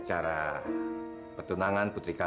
mama belum datang dek